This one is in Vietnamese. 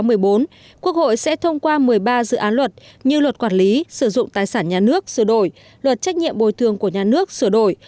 quốc hội sẽ thông qua một mươi ba dự án luật như luật quản lý sử dụng tài sản nhà nước sửa đổi luật trách nhiệm bồi thường của nhà nước sửa đổi